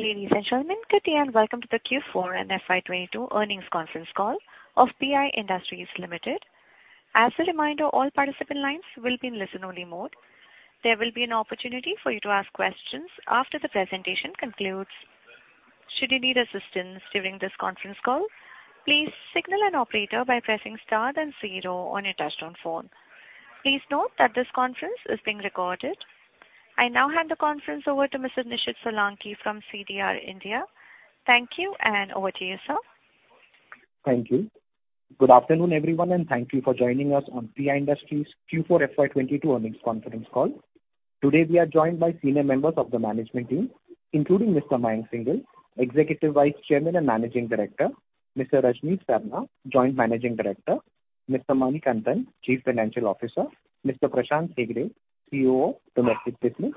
Ladies and gentlemen, good day and welcome to the Q4 and FY22 earnings conference call of PI Industries Limited. As a reminder, all participant lines will be in listen-only mode. There will be an opportunity for you to ask questions after the presentation concludes. Should you need assistance during this conference call, please signal an operator by pressing star then zero on your touchtone phone. Please note that this conference is being recorded. I now hand the conference over to Mr. Nishid Solanki from CDR India. Thank you, and over to you, sir. Thank you. Good afternoon, everyone, and thank you for joining us on PI Industries Q4 FY 2022 earnings conference call. Today, we are joined by senior members of the management team, including Mr. Mayank Singhal, Executive Vice Chairman and Managing Director, Mr. Rajnish Sarna, Joint Managing Director, Mr. Manikantan, Chief Financial Officer, Mr. Prashant Hegde, CEO Domestic Business,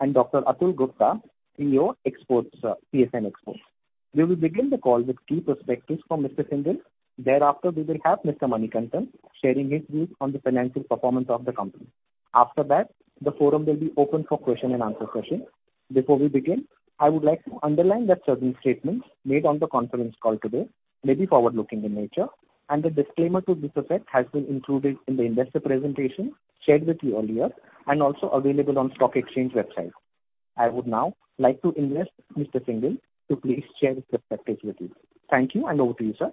and Dr. Atul Gupta, CEO CSM Exports. We will begin the call with key perspectives from Mr. Singhal. Thereafter, we will have Mr. Manikantan sharing his views on the financial performance of the company. After that, the forum will be open for question and answer session. Before we begin, I would like to underline that certain statements made on the conference call today may be forward-looking in nature and the disclaimer to this effect has been included in the investor presentation shared with you earlier and also available on stock exchange website. I would now like to invite Mr. Singhal to please share his perspectives with you. Thank you and over to you, sir.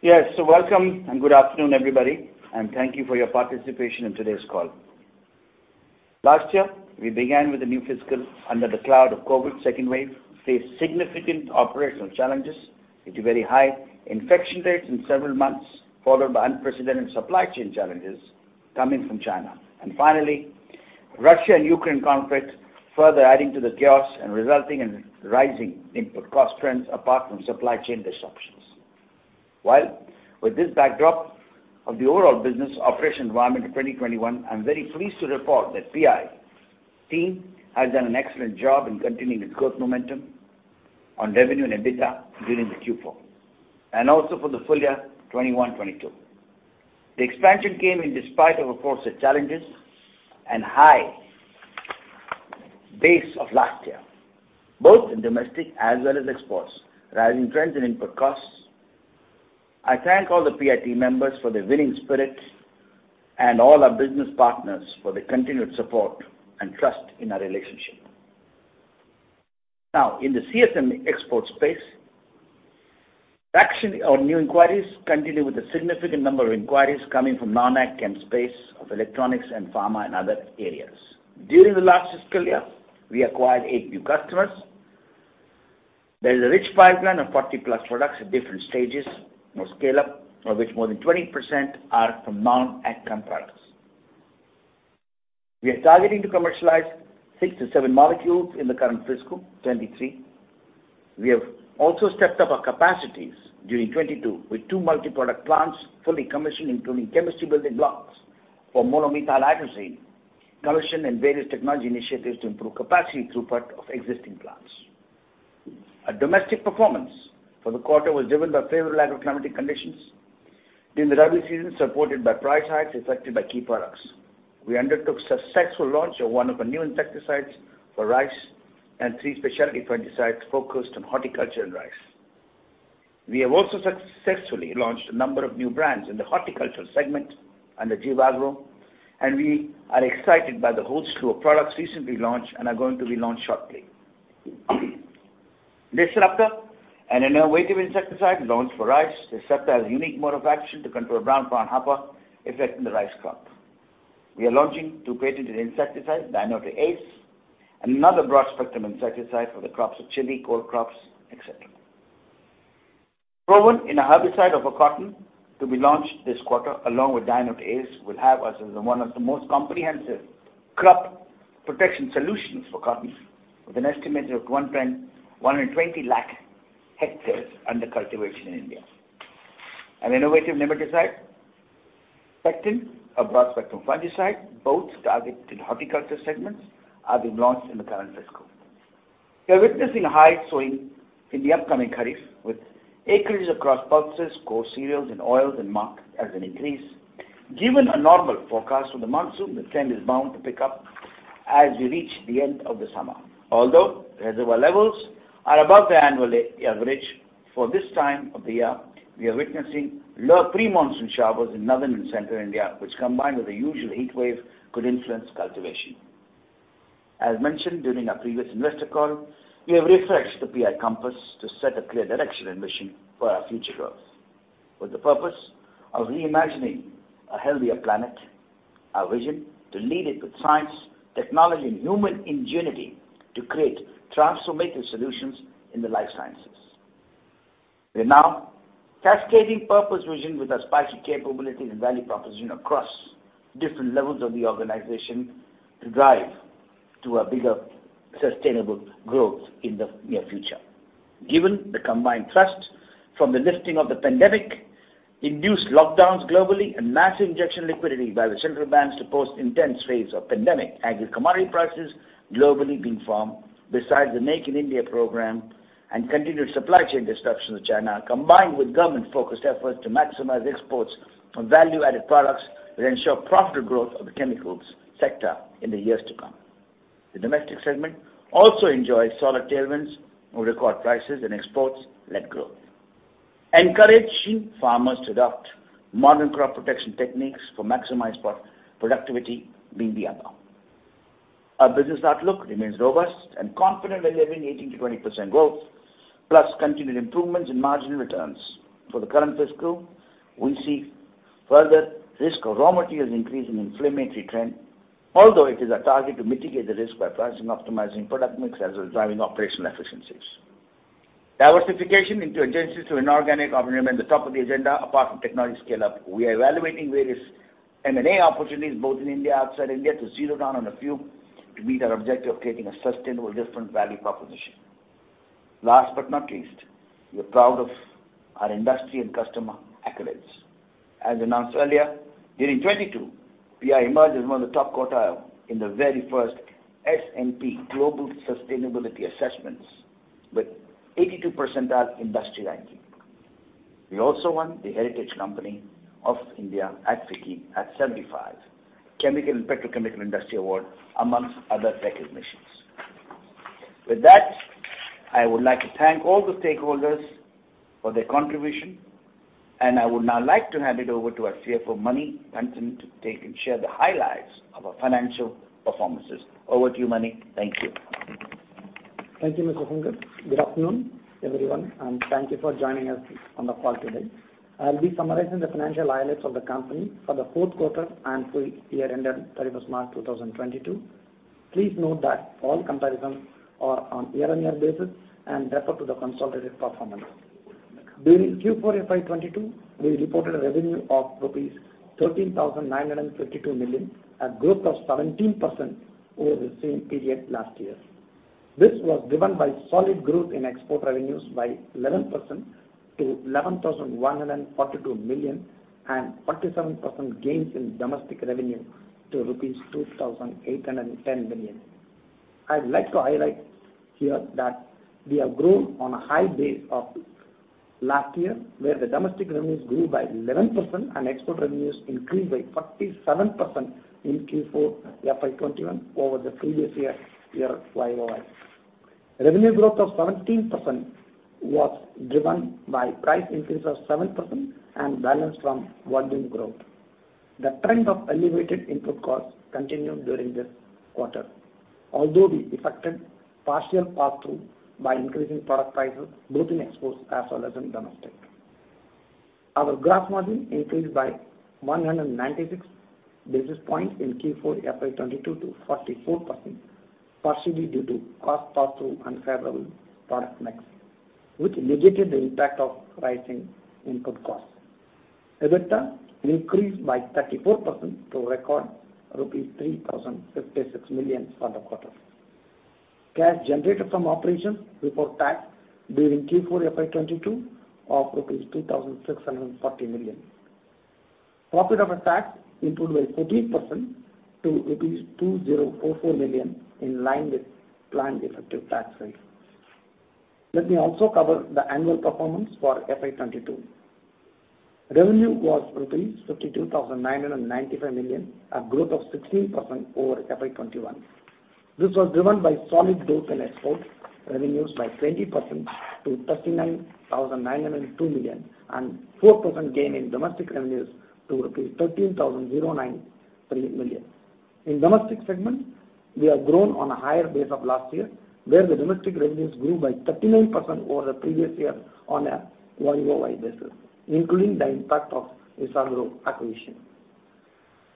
Yes, welcome and good afternoon, everybody, and thank you for your participation in today's call. Last year, we began with a new fiscal under the cloud of COVID second wave, faced significant operational challenges due to very high infection rates in several months, followed by unprecedented supply chain challenges coming from China. Finally, Russia and Ukraine conflict further adding to the chaos and resulting in rising input cost trends apart from supply chain disruptions. While with this backdrop of the overall business operation environment in 2021, I'm very pleased to report that PI team has done an excellent job in continuing its growth momentum on revenue and EBITDA during the Q4, and also for the full year 2021-2022. The expansion came in despite of course, the challenges and high base of last year, both in domestic as well as exports, rising trends and input costs. I thank all the PI team members for their winning spirit and all our business partners for their continued support and trust in our relationship. Now, in the CSM Export space, traction on new inquiries continue with a significant number of inquiries coming from non-AgChem space of electronics and pharma and other areas. During the last fiscal year, we acquired eight new customers. There is a rich pipeline of 40+ products at different stages or scale-up, of which more than 20% are from non-AgChem products. We are targeting to commercialize six to seven molecules in the current fiscal 2023. We have also stepped up our capacities during 2022 with two multi-product plants fully commissioned, including chemistry building blocks for Monomethyl auristatin E commissioning and various technology initiatives to improve capacity throughput of existing plants. Our domestic performance for the quarter was driven by favorable agroclimatic conditions during the Rabi season, supported by price hikes affected by key products. We undertook successful launch of one of our new insecticides for rice and three specialty fungicides focused on horticulture and rice. We have also successfully launched a number of new brands in the horticulture segment under Jivagro, and we are excited by the whole slew of products recently launched and are going to be launched shortly. Distruptor, an innovative insecticide launched for rice. Distruptor has a unique mode of action to control brown planthopper affecting the rice crop. We are launching two patented insecticide, Dinoace, another broad-spectrum insecticide for the crops of chili, cole crops, et cetera. Provide, an herbicide for cotton to be launched this quarter along with Dinoace will have us as one of the most comprehensive crop protection solutions for cotton with an estimate of 112 lakh hectares under cultivation in India. An innovative nematicide, Spectin, a broad-spectrum fungicide, both targeting horticulture segments, are being launched in the current fiscal. We are witnessing a high sowing in the upcoming kharif with acreage across pulses, coarse cereals and oilseeds and millets has an increase. Given a normal forecast for the monsoon, the trend is bound to pick up as we reach the end of the summer. Although reservoir levels are above the annual average for this time of the year, we are witnessing low pre-monsoon showers in Northern and Central India, which combined with the usual heatwave could influence cultivation. As mentioned during our previous investor call, we have refreshed the PI Compass to set a clear direction and mission for our future growth. With the purpose of reimagining a healthier planet, our vision to lead it with science, technology, and human ingenuity to create transformative solutions in the life sciences. We are now cascading purpose vision with our specialty capabilities and value proposition across different levels of the organization to drive to a bigger sustainable growth in the near future. Given the combined thrust from the lifting of pandemic-induced lockdowns globally and massive injection of liquidity by the central banks post intense waves of pandemic, agri-commodity prices globally being firm besides the Make in India program and continued supply chain disruptions with China, combined with government-focused efforts to maximize exports of value-added products that ensure profitable growth of the chemicals sector in the years to come. The domestic segment also enjoys solid tailwinds from higher crop prices and exports-led growth. Encouraging farmers to adopt modern crop protection techniques for maximized productivity being the other. Our business outlook remains robust and confident, delivering 18%-20% growth plus continued improvements in marginal returns. For the current fiscal, we see further risk from raw material increases in inflationary trend, although it is our target to mitigate the risk by pricing, optimizing product mix as we're driving operational efficiencies. Diversification into adjacent to inorganic have remained the top of the agenda apart from technology scale-up. We are evaluating various M&A opportunities both in India, outside India, to zero down on a few to meet our objective of creating a sustainable different value proposition. Last but not least, we are proud of our industry and customer accolades. As announced earlier, during 2022, we are emerged as one of the top quartile in the very first S&P Global Sustainability Assessments with 82% industry ranking. We also won the Heritage Company of India at 75, Chemical and Petrochemical Industry Award, among other recognitions. With that, I would like to thank all the stakeholders for their contribution, and I would now like to hand it over to our CFO, Manikantan, to take and share the highlights of our financial performances. Over to you, Mani. Thank you. Thank you, Mr. Mayank Singhal. Good afternoon, everyone, and thank you for joining us on the call today. I'll be summarizing the financial highlights of the company for the fourth quarter and full year ended 31st March 2022. Please note that all comparisons are on year-on-year basis and refer to the consolidated performance. During Q4 FY 2022, we reported a revenue of rupees 13,952 million, a growth of 17% over the same period last year. This was driven by solid growth in export revenues by 11% to 11,142 million and 37% gains in domestic revenue to rupees 2,810 million. I'd like to highlight here that we have grown on a high base of last year, where the domestic revenues grew by 11% and export revenues increased by 37% in Q4 FY 2021 over the previous year YoY. Revenue growth of 17% was driven by price increase of 7% and balance from volume growth. The trend of elevated input costs continued during this quarter, although we effected partial pass-through by increasing product prices both in exports as well as in domestic. Our gross margin increased by 196 basis points in Q4 FY 2022 to 44%, partially due to cost pass-through and favorable product mix, which mitigated the impact of rising input costs. EBITDA increased by 34% to record rupees 3,056 million for the quarter. Cash generated from operations before tax during Q4 FY 2022 of rupees 2,640 million. Profit after tax improved by 14% to rupees 2,044 million in line with planned effective tax rate. Let me also cover the annual performance for FY 2022. Revenue was rupees 52,995 million, a growth of 16% over FY 2021. This was driven by solid growth in export revenues by 20% to 39,902 million and 4% gain in domestic revenues to rupees 13,009 million. In domestic segment, we have grown on a higher base of last year, where the domestic revenues grew by 39% over the previous year on a YoY basis, including the impact of Isagro acquisition.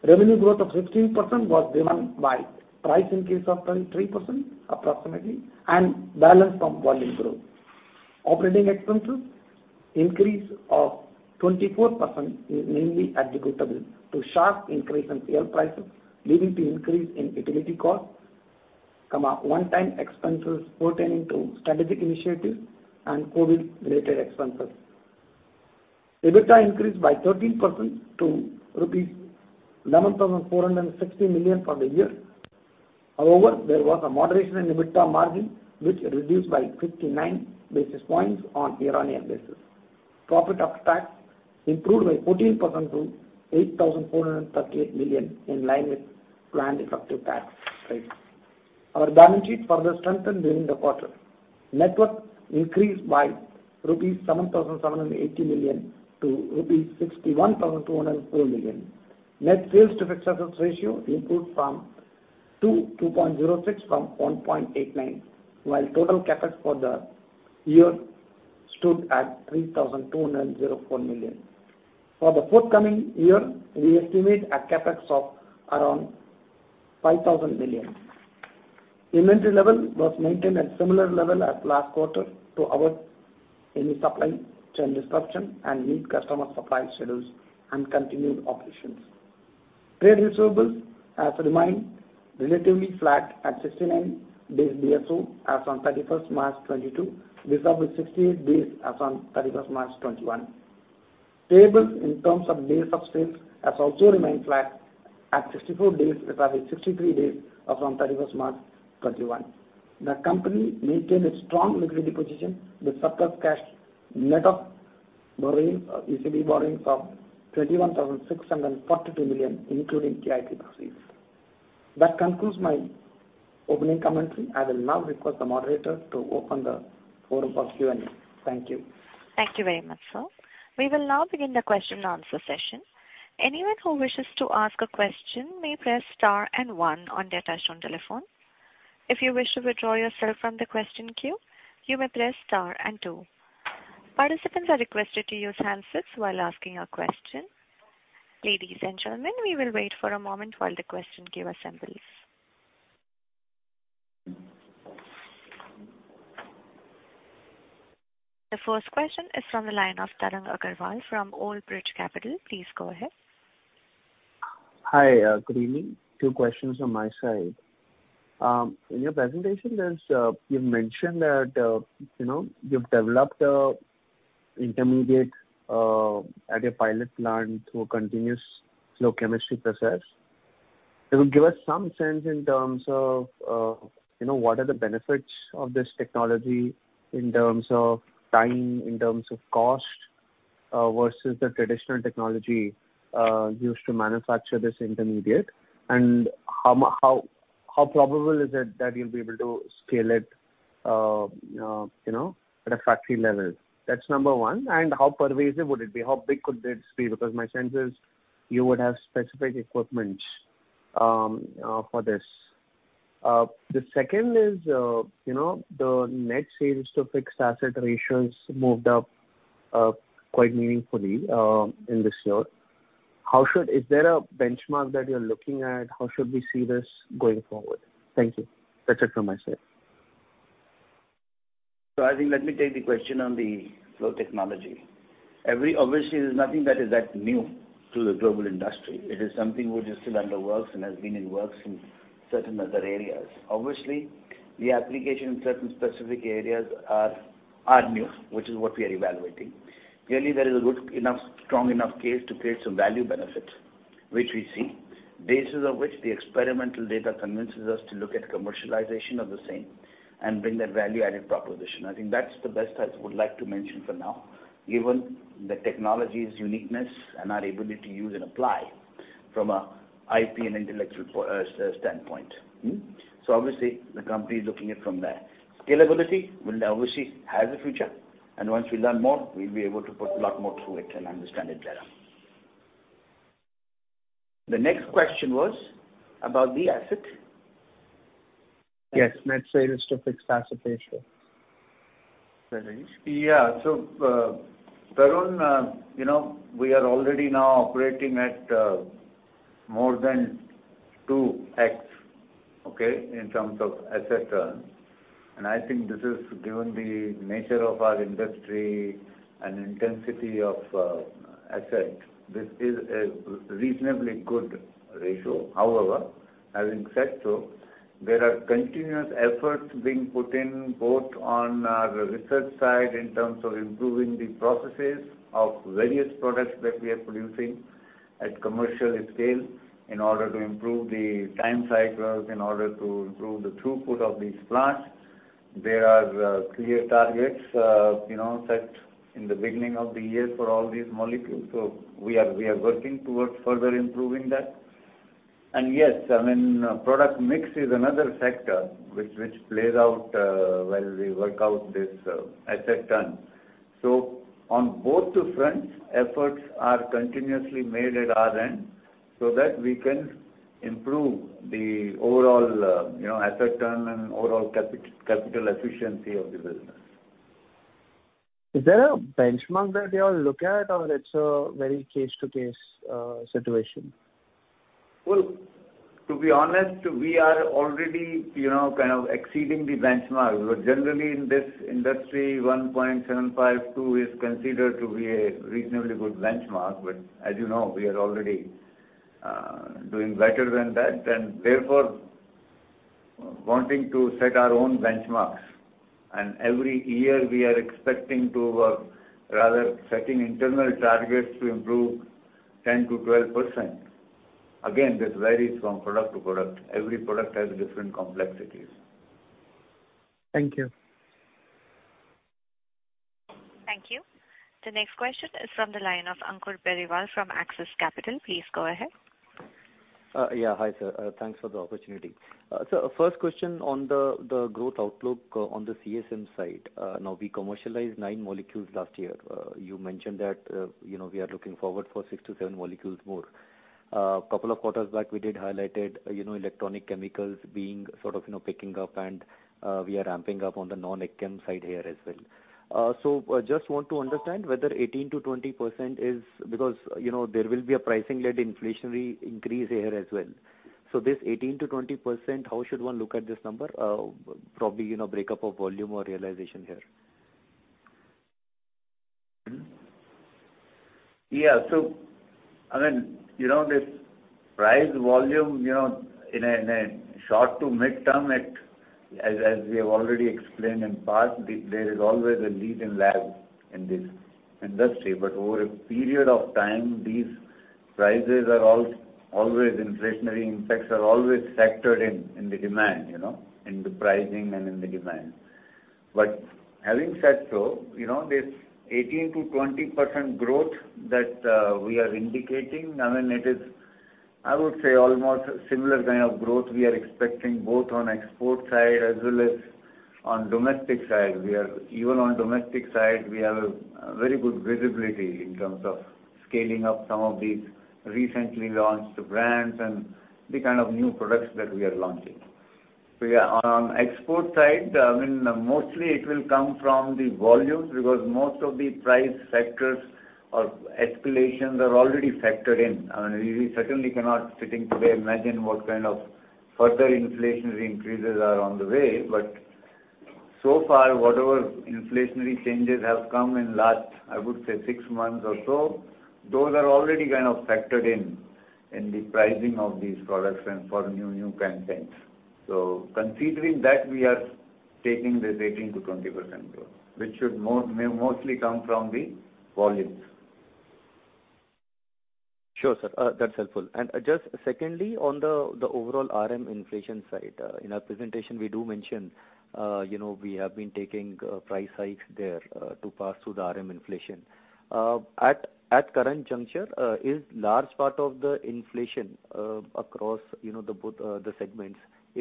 Revenue growth of 15% was driven by price increase of 3% approximately and balance from volume growth. Operating expenses increase of 24% is mainly attributable to sharp increase in fuel prices, leading to increase in utility costs, one-time expenses pertaining to strategic initiatives and COVID-related expenses. EBITDA increased by 13% to rupees 11,460 million for the year. However, there was a moderation in EBITDA margin, which reduced by 59 basis points on year-on-year basis. Profit after tax improved by 14% to 8,438 million in line with planned effective tax rate. Our balance sheet further strengthened during the quarter. Net worth increased by rupees 7,780 million to rupees 61,204 million. Net sales to fixed assets ratio improved from 2.06 from 1.89, while total CapEx for the year stood at 3,204 million. For the forthcoming year, we estimate a CapEx of around 5,000 million. Inventory level was maintained at similar level as last quarter to avoid any supply chain disruption and meet customer supply schedules and continued operations. Trade receivables has remained relatively flat at 69 days DSO as on 31st March 2022, up from 68 days as on 31st March 2021. Payables in terms of days of sales has also remained flat at 64 days, from 63 days as on 31st March 2021. The company maintained a strong liquidity position with surplus cash, net of borrowings, ECB borrowings of 21,642 million, including QIP proceeds. That concludes my opening commentary. I will now request the moderator to open the forum for Q&A. Thank you. Thank you very much, sir. We will now begin the question and answer session. Anyone who wishes to ask a question may press star and one on their touchtone telephone. If you wish to withdraw yourself from the question queue, you may press star and two. Participants are requested to use handsets while asking a question. Ladies and gentlemen, we will wait for a moment while the question queue assembles. The first question is from the line of Tarang Agrawal from Old Bridge Capital. Please go ahead. Hi. Good evening. Two questions from my side. In your presentation, there's, you've mentioned that, you know, you've developed an intermediate at a pilot plant through a continuous flow chemistry process. Can you give us some sense in terms of, you know, what are the benefits of this technology in terms of time, in terms of cost, versus the traditional technology used to manufacture this intermediate? How probable is it that you'll be able to scale it, you know, at a factory level? That's number one. How pervasive would it be? How big could this be? Because my sense is you would have specific equipment for this. The second is, you know, the net sales to fixed asset ratios moved up quite meaningfully in this year. Is there a benchmark that you're looking at? How should we see this going forward? Thank you. That's it from my side. I think let me take the question on the flow technology. Obviously, there's nothing that is that new to the global industry. It is something which is still under works and has been in works in certain other areas. Obviously, the application in certain specific areas are new, which is what we are evaluating. Clearly, there is a good enough, strong enough case to create some value benefits, which we see. Basis of which the experimental data convinces us to look at commercialization of the same and bring that value-added proposition. I think that's the best I would like to mention for now, given the technology's uniqueness and our ability to use and apply from a IP and intellectual standpoint. Obviously the company is looking it from there. Scalability will obviously have the future, and once we learn more, we'll be able to put a lot more through it and understand it better. The next question was about the asset. Yes. Net sales to fixed asset ratio. Yeah. Tarang, you know, we are already now operating at more than 2x, okay, in terms of asset turn. I think this is, given the nature of our industry and intensity of asset, this is a reasonably good ratio. However, having said so, there are continuous efforts being put in both on our research side in terms of improving the processes of various products that we are producing at commercial scale in order to improve the time cycles, in order to improve the throughput of these plants. There are clear targets, you know, set in the beginning of the year for all these molecules. We are working towards further improving that. Yes, I mean, product mix is another factor which plays out while we work out this asset turn. On both the fronts, efforts are continuously made at our end so that we can improve the overall, you know, asset turn and overall capital efficiency of the business. Is there a benchmark that you all look at or it's a very case-by-case situation? Well, to be honest, we are already, you know, kind of exceeding the benchmark. Generally in this industry, 1.752x is considered to be a reasonably good benchmark. As you know, we are already doing better than that, and therefore wanting to set our own benchmarks. Every year we are expecting to work, rather setting internal targets to improve 10%-12%. Again, this varies from product to product. Every product has different complexities. Thank you. Thank you. The next question is from the line of Ankur Periwal from Axis Capital. Please go ahead. Hi, sir. Thanks for the opportunity. First question on the growth outlook on the CSM side. Now we commercialized nine molecules last year. You mentioned that, you know, we are looking forward for six to seven molecules more. Couple of quarters back, we did highlight, you know, electronic chemicals being sort of, you know, picking up and we are ramping up on the non-AgChem side here as well. Just want to understand whether 18%-20% is... Because, you know, there will be a pricing-led inflationary increase here as well. This 18%-20%, how should one look at this number? Probably, you know, break up of volume or realization here. I mean, you know, this price volume, you know, in a short to mid-term, as we have already explained in the past, there is always a lead and lag in this industry. Over a period of time, these prices are always inflationary. Impacts are always factored in the demand, you know, in the pricing and in the demand. Having said so, you know, this 18%-20% growth that we are indicating, I mean, it is, I would say, almost similar kind of growth we are expecting both on export side as well as on domestic side. Even on domestic side, we have a very good visibility in terms of scaling up some of these recently launched brands and the kind of new products that we are launching. We are on export side, I mean, mostly it will come from the volumes because most of the price factors or escalations are already factored in. I mean, we certainly cannot sitting today imagine what kind of further inflationary increases are on the way. So far, whatever inflationary changes have come in last, I would say 6 months or so, those are already kind of factored in the pricing of these products and for new campaigns. Considering that, we are taking this 18%-20% growth, which may mostly come from the volumes. Sure, sir. That's helpful. Just secondly, on the overall RM inflation side. In our presentation we do mention, you know, we have been taking price hikes there to pass through the RM inflation. At current juncture, is large part of the inflation across, you know, both the segments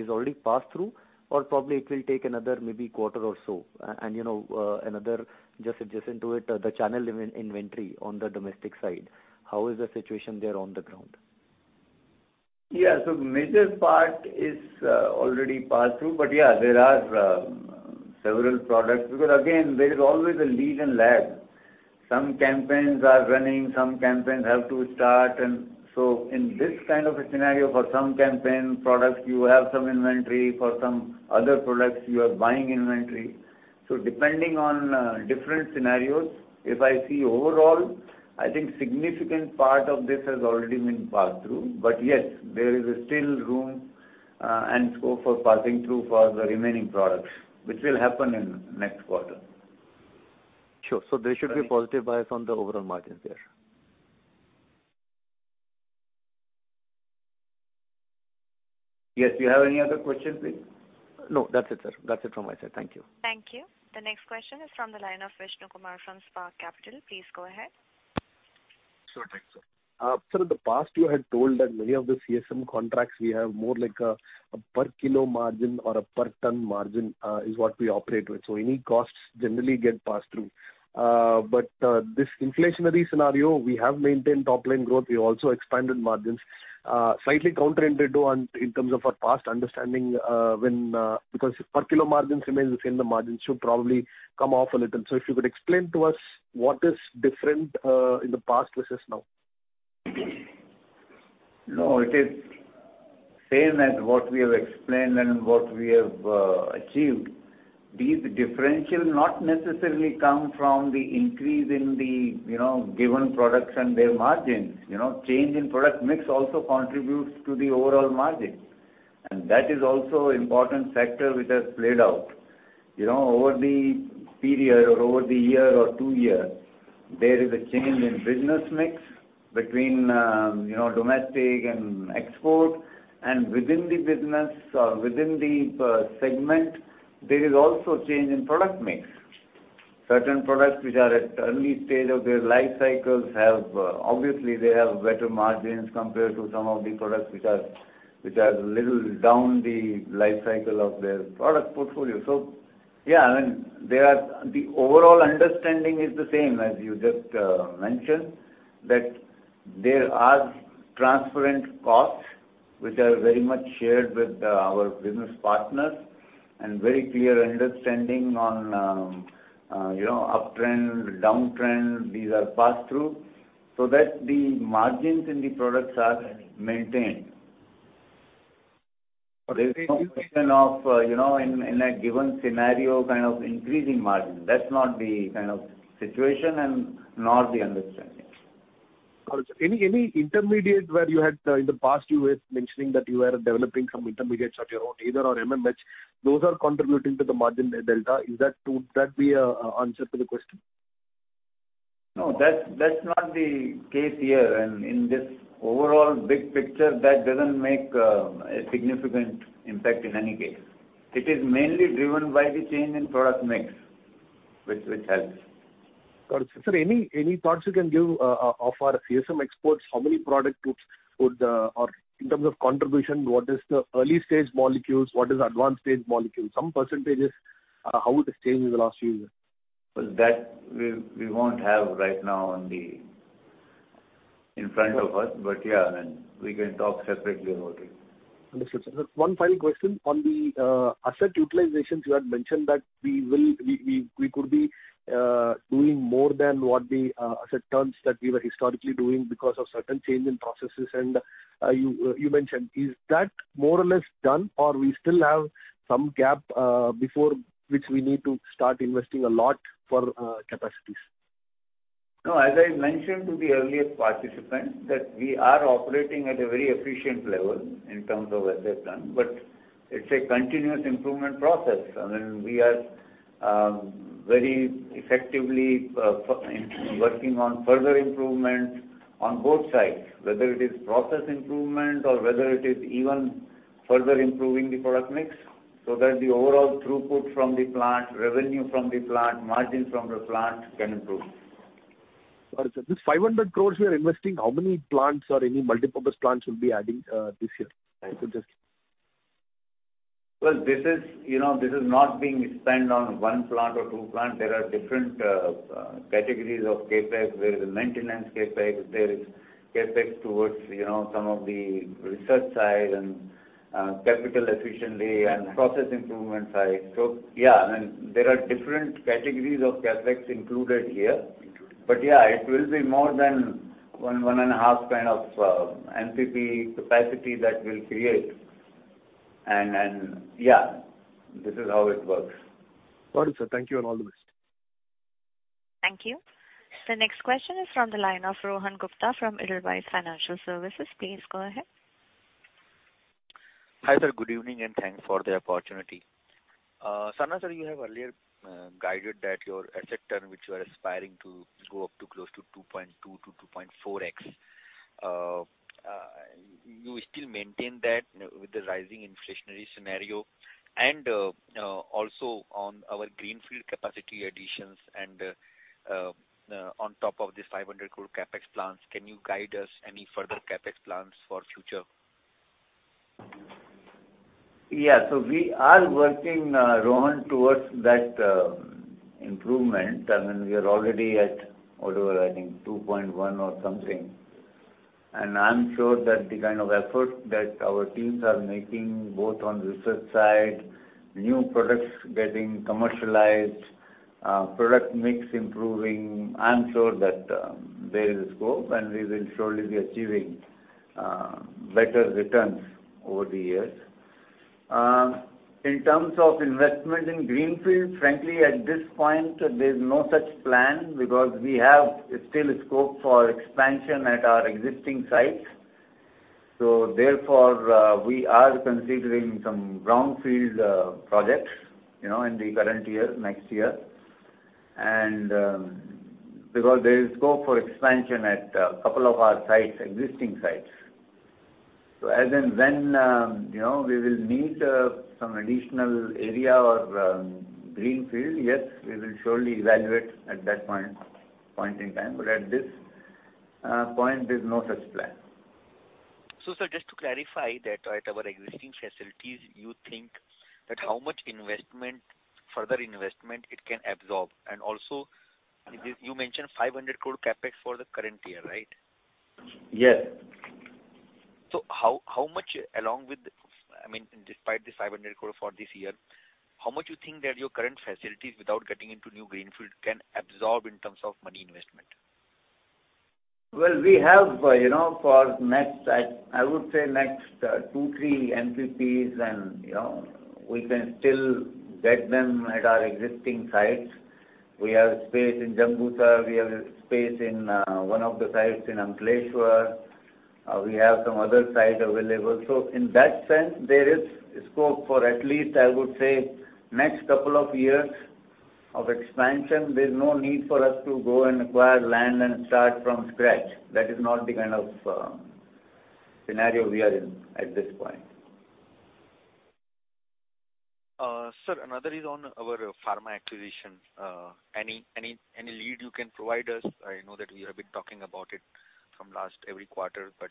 already passed through or probably it will take another maybe quarter or so? You know, another just adjacent to it, the channel inventory on the domestic side, how is the situation there on the ground? Major part is already passed through. There are several products, because again, there is always a lead and lag. Some campaigns are running, some campaigns have to start. In this kind of a scenario for some campaign products you have some inventory, for some other products you are buying inventory. Depending on different scenarios, if I see overall, I think significant part of this has already been passed through. Yes, there is still room and scope for passing through for the remaining products, which will happen in next quarter. Sure. There should be positive bias on the overall margins there. Yes. You have any other questions, please? No, that's it, sir. That's it from my side. Thank you. Thank you. The next question is from the line of Vishnu Kumar from Spark Capital. Please go ahead. Sure thing, sir. Sir, in the past you had told that many of the CSM contracts we have more like a per kilo margin or a per ton margin is what we operate with, so any costs generally get passed through. This inflationary scenario we have maintained top line growth, we also expanded margins, slightly counterintuitive on in terms of our past understanding, when, because per kilo margins remains the same, the margins should probably come off a little. If you could explain to us what is different in the past versus now. No, it is same as what we have explained and what we have achieved. These differential not necessarily come from the increase in the, you know, given products and their margins. You know, change in product mix also contributes to the overall margin, and that is also important factor which has played out. You know, over the period or over the year or two year, there is a change in business mix between, you know, domestic and export. Within the business or within the segment, there is also change in product mix. Certain products which are at early stage of their life cycles have obviously they have better margins compared to some of the products which are little down the life cycle of their product portfolio. Yeah, I mean, there are the overall understanding is the same as you just mentioned, that there are transparent costs which are very much shared with our business partners, and very clear understanding on, you know, uptrend, downtrend, these are passed through so that the margins in the products are maintained. There's no question of, you know, in a given scenario kind of increasing margin. That's not the kind of situation and nor the understanding. Got it. Any intermediate where you had in the past you were mentioning that you were developing some intermediates of your own, either or MMH, those are contributing to the margin delta. Would that be a answer to the question? No, that's not the case here. In this overall big picture, that doesn't make a significant impact in any case. It is mainly driven by the change in product mix, which helps. Got it. Sir, any thoughts you can give of our CSM exports? How many product groups would or in terms of contribution, what is the early stage molecules, what is advanced stage molecules? Some percentages, how it has changed in the last few years. Well, that we won't have right now not in front of us. Yeah, I mean, we can talk separately about it. Understood, sir. One final question. On the asset utilizations, you had mentioned that we could be doing more than what the asset turns that we were historically doing because of certain change in processes, and you mentioned. Is that more or less done or we still have some gap before which we need to start investing a lot for capacities? No, as I mentioned to the earlier participant, that we are operating at a very efficient level in terms of asset turn, but it's a continuous improvement process. I mean, we are very effectively working on further improvements on both sides, whether it is process improvement or whether it is even further improving the product mix, so that the overall throughput from the plant, revenue from the plant, margin from the plant can improve. Got it, sir. This 500 crore you are investing, how many plants or any multipurpose plants you'll be adding this year? Well, this is, you know, this is not being spent on one plant or two plants. There are different categories of CapEx. There is a maintenance CapEx. There is CapEx towards, you know, some of the research side and capital efficiency and process improvement side. Yeah, I mean, there are different categories of CapEx included here. Yeah, it will be more than 1.5 kind of MPP capacity that we'll create. Yeah, this is how it works. Got it, sir. Thank you, and all the best. Thank you. The next question is from the line of Rohan Gupta from Edelweiss Financial Services. Please go ahead. Hi, sir. Good evening, and thanks for the opportunity. Sarna, sir, you have earlier guided that your asset turn which you are aspiring to go up to close to 2.2x-2.4x. You still maintain that with the rising inflationary scenario and also on our greenfield capacity additions and on top of this 500 crore CapEx plans, can you guide us any further CapEx plans for future? Yeah. We are working, Rohan, towards that improvement. I mean, we are already at, whatever, I think 2.1x or something. I'm sure that the kind of effort that our teams are making, both on research side, new products getting commercialized, product mix improving. I'm sure that there is scope, and we will surely be achieving better returns over the years. In terms of investment in greenfield, frankly, at this point, there's no such plan because we have still scope for expansion at our existing sites. Therefore, we are considering some brownfield projects, you know, in the current year, next year. Because there is scope for expansion at a couple of our sites, existing sites. As and when, you know, we will meet some additional area or greenfield, yes, we will surely evaluate at that point in time. At this point there's no such plan. Sir, just to clarify that at our existing facilities, you think that how much investment, further investment it can absorb? And also, you mentioned 500 crore CapEx for the current year, right? Yes. How much, I mean, despite the 500 crore for this year, how much you think that your current facilities, without getting into new greenfield, can absorb in terms of money investment? Well, we have, you know, for next, I would say next two, three MPPs and, you know, we can still get them at our existing sites. We have space in Jambusar. We have a space in one of the sites in Ankleshwar. We have some other sites available. In that sense, there is scope for at least, I would say, next couple of years of expansion. There's no need for us to go and acquire land and start from scratch. That is not the kind of scenario we are in at this point. Sir, another is on our pharma acquisition. Any lead you can provide us? I know that we have been talking about it from last every quarter, but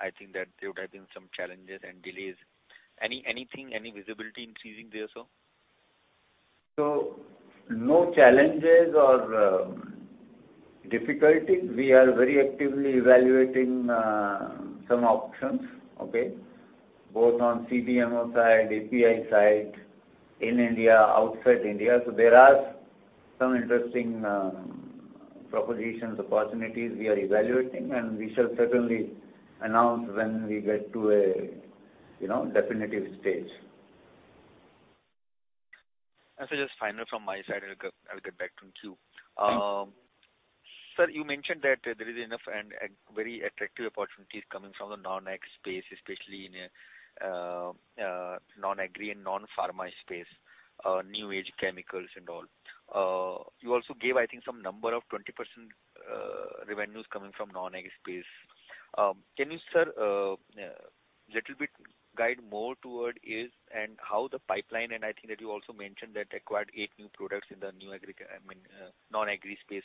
I think that there would have been some challenges and delays. Anything, any visibility increasing there, sir? No challenges or difficulties. We are very actively evaluating some options, okay? Both on CDMO side, API side, in India, outside India. There are some interesting propositions, opportunities we are evaluating, and we shall certainly announce when we get to a definitive stage. I suggest final from my side. I'll get back to you. Please. Sir, you mentioned that there is enough and very attractive opportunities coming from the non-ag space, especially in non-agri and non-pharma space, new age chemicals and all. You also gave, I think, some number of 20% revenues coming from non-ag space. Can you, sir, little bit guide more towards this and how the pipeline, and I think that you also mentioned that acquired eight new products in the I mean, non-agri space.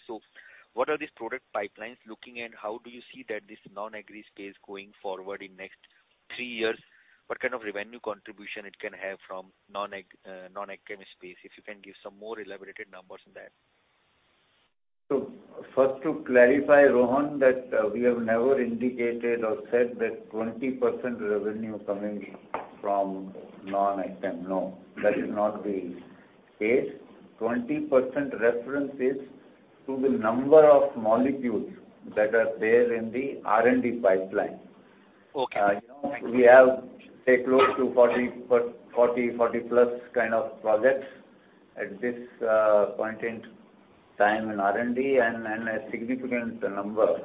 What are these product pipelines looking and how do you see that this non-agri space going forward in next three years? What kind of revenue contribution it can have from non-ag, non-ag chem space? If you can give some more elaborate numbers on that. First to clarify, Rohan, that we have never indicated or said that 20% revenue coming from non-AgChem. No, that is not the case. 20% reference is to the number of molecules that are there in the R&D pipeline. Okay. Thank you. You know, we have, say, close to 40+ kind of projects at this point in time in R&D and a significant number.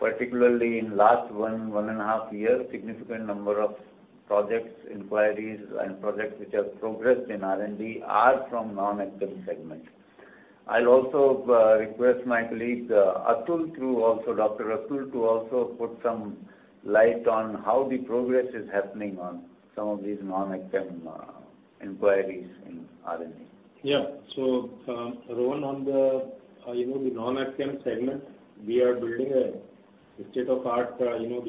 Particularly in last one and a half years, significant number of projects, inquiries and projects which have progressed in R&D are from non-AgChem segment. I'll also request my colleague, Dr. Atul, to also put some light on how the progress is happening on some of these non-AgChem inquiries in R&D. Yeah. Rohan, on the, you know, the non-AgChem segment, we are building a state-of-the-art, you know,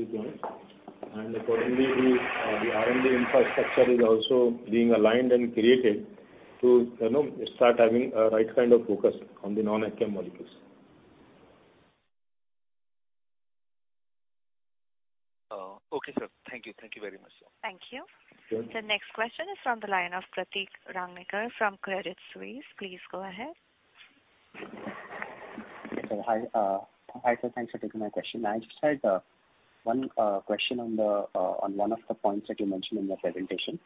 Accordingly, the R&D infrastructure is also being aligned and created to, you know, start having a right kind of focus on the non-AgChem molecules. Okay, sir. Thank you. Thank you very much, sir. Thank you. Sure. The next question is from the line of Pratik Rangnekar from Credit Suisse. Please go ahead. Yes, sir. Hi. Hi, sir. Thanks for taking my question. I just had one question on one of the points that you mentioned in your presentation.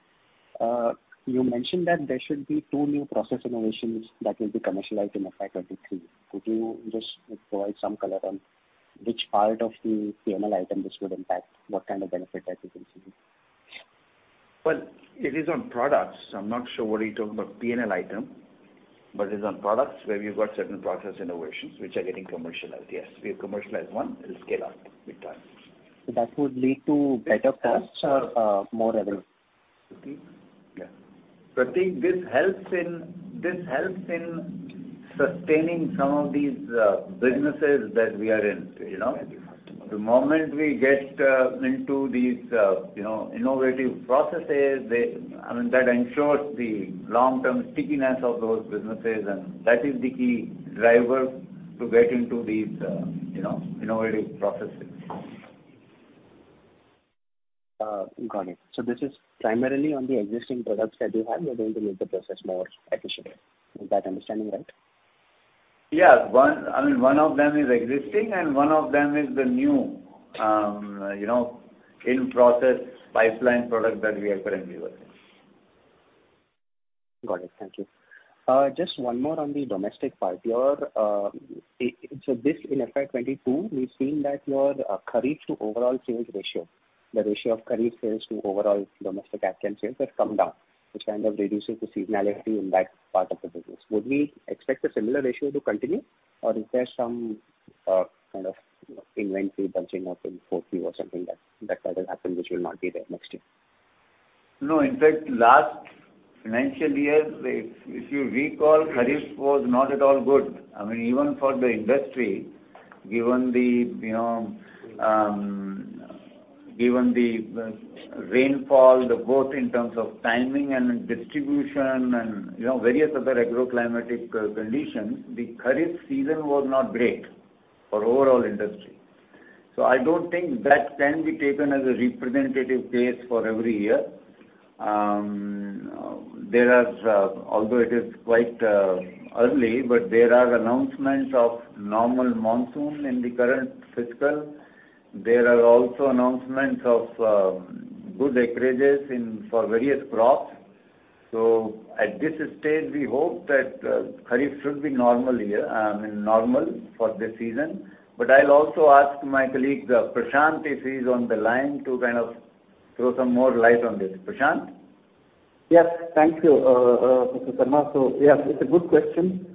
You mentioned that there should be two new process innovations that will be commercialized in FY 2023. Could you just provide some color on which part of the P&L item this would impact, what kind of benefit that we can see? Well, it is on products. I'm not sure what are you talking about P&L item, but it's on products where we've got certain process innovations which are getting commercialized, yes. We have commercialized one in scale-up with that. That would lead to better costs or more revenue? Prateik? Yeah. Pratik, this helps in sustaining some of these businesses that we are in, you know. Okay. Thank you. The moment we get into these, you know, innovative processes, I mean, that ensures the long-term stickiness of those businesses, and that is the key driver to get into these, you know, innovative processes. Got it. This is primarily on the existing products that you have, you're going to make the process more efficient. Is that understanding right? Yeah. I mean, one of them is existing and one of them is the new, you know, in-process pipeline product that we are currently working. Got it. Thank you. Just one more on the domestic part. Your, so this in FY 2022, we've seen that your, kharif to overall sales ratio, the ratio of kharif sales to overall domestic AgChem sales has come down, which kind of reduces the seasonality in that part of the business. Would we expect a similar ratio to continue or is there some, kind of inventory bunching up in Q4 or something that might have happened which will not be there next year? No. In fact, last financial year, if you recall, kharif was not at all good. I mean, even for the industry, given the rainfall, both in terms of timing and distribution and, you know, various other agroclimatic conditions, the kharif season was not great for overall industry. I don't think that can be taken as a representative case for every year. There are, although it is quite early, but there are announcements of normal monsoon in the current fiscal. There are also announcements of good acreages for various crops. At this stage, we hope that kharif should be normal year, I mean, normal for this season. I'll also ask my colleague, Prashant, if he's on the line, to kind of throw some more light on this. Prashant? Yes. Thank you, Mr. Sarna. Yeah, it's a good question.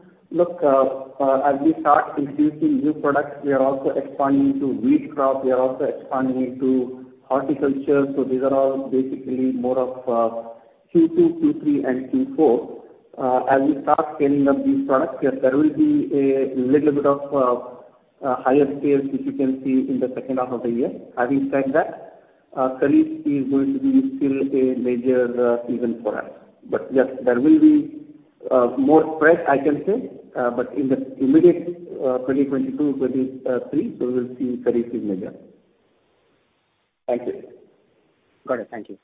Look, as we start introducing new products, we are also expanding into wheat crop, we are also expanding into horticulture. These are all basically more of Q2, Q3 and Q4. As we start scaling up these products, yes, there will be a little bit of higher sales efficiency in the second half of the year. Having said that, kharif is going to be still a major season for us. Yes, there will be more spread, I can say. In the immediate 2022-2023, we will see kharif is major. Thank you. Got it. Thank you.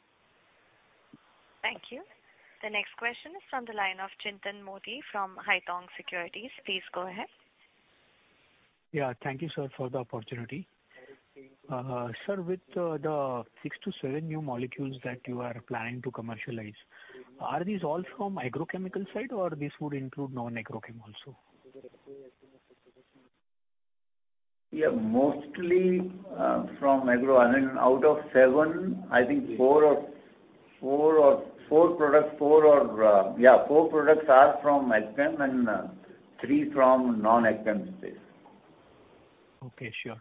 Thank you. The next question is from the line of Chintan Modi from Haitong Securities. Please go ahead. Yeah. Thank you, sir, for the opportunity. Sir, with the six to seven new molecules that you are planning to commercialize, are these all from agrochemical side or this would include non-agrochem also? Yeah. Mostly from AgChem. I mean, out of seven, I think four products are from AgChem and three from non-AgChem space. Okay, sure.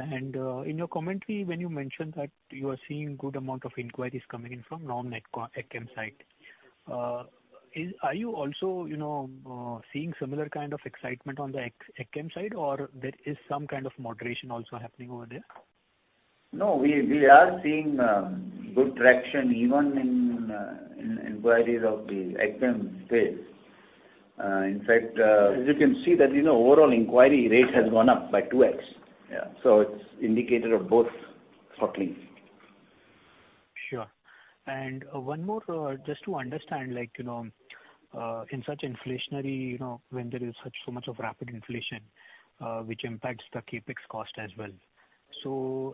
In your commentary when you mentioned that you are seeing good amount of inquiries coming in from non-AgChem side, are you also, you know, seeing similar kind of excitement on the AgChem side or there is some kind of moderation also happening over there? No, we are seeing good traction even in inquiries of the AgChem space. In fact, as you can see that, you know, overall inquiry rate has gone up by 2x. Yeah. It's indicator of both stockings. Sure. One more, just to understand like, you know, in such inflationary, you know, when there is such so much of rapid inflation, which impacts the CapEx cost as well.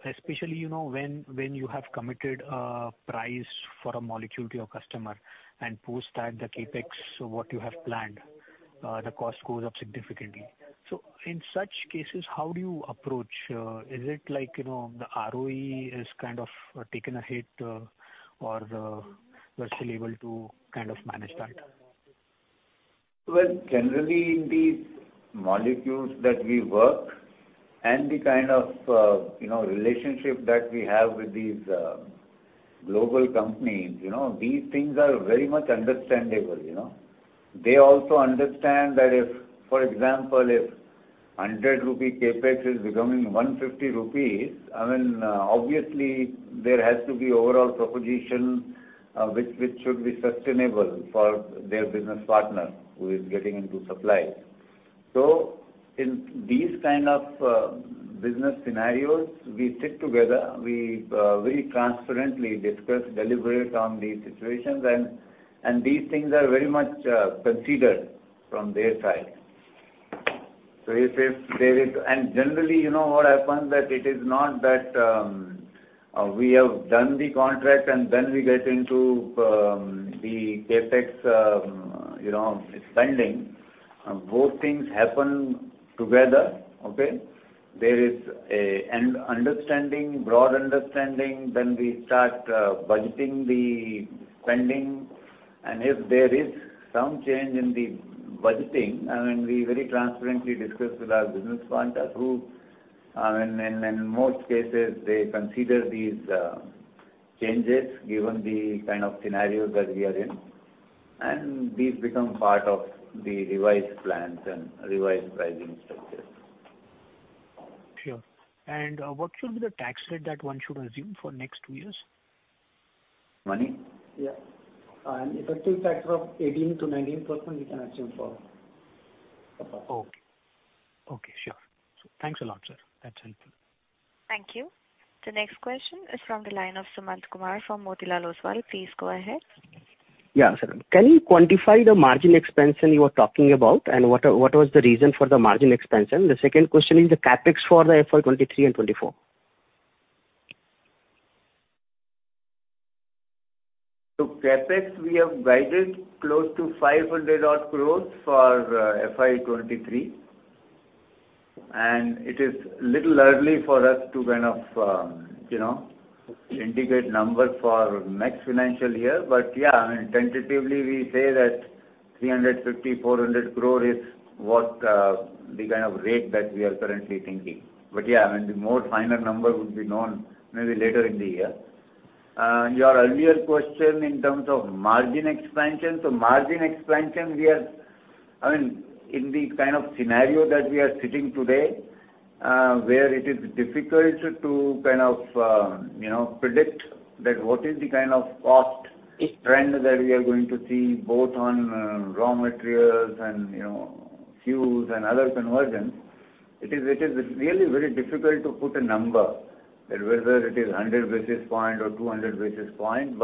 Especially, you know, when you have committed a price for a molecule to your customer and post that the CapEx what you have planned, the cost goes up significantly. In such cases, how do you approach? Is it like, you know, the ROE is kind of taken a hit, or we're still able to kind of manage that? Well, generally, in the molecules that we work and the kind of, you know, relationship that we have with these global companies, you know, these things are very much understandable, you know. They also understand that if for example, if 100 rupee CapEx is becoming 150 rupees, I mean, obviously, there has to be overall proposition, which should be sustainable for their business partner who is getting into supply. In these kind of business scenarios, we sit together. We very transparently discuss, deliberate on these situations and these things are very much considered from their side. Generally, you know what happens that it is not that we have done the contract and then we get into the CapEx, you know, spending. Both things happen together. Okay. There is a broad understanding, then we start budgeting the spending. If there is some change in the budgeting, I mean, we very transparently discuss with our business partner who, I mean, in most cases, they consider these changes given the kind of scenario that we are in, and these become part of the revised plans and revised pricing structures. Sure. What should be the tax rate that one should assume for next two years? Mani? Yeah. An effective tax of 18%-19% you can assume for. Okay. Sure. Thanks a lot, sir. That's helpful. Thank you. The next question is from the line of Sumant Kumar from Motilal Oswal. Please go ahead. Yeah, sure. Can you quantify the margin expansion you are talking about, and what was the reason for the margin expansion? The second question is the CapEx for the FY 2023 and 2024. CapEx we have guided close to 500 crore for FY 2023, and it is a little early for us to kind of, you know, integrate numbers for next financial year. Yeah, I mean, tentatively we say that 350 crore-400 crore is what, the kind of range that we are currently thinking. Yeah, I mean, the more final number would be known maybe later in the year. Your earlier question in terms of margin expansion. Margin expansion we are I mean, in the kind of scenario that we are sitting today, where it is difficult to kind of, you know, predict what is the kind of cost trend that we are going to see both on raw materials and, you know, fuel and other conversions. It is really very difficult to put a number, that whether it is 100 basis point or 200 basis point.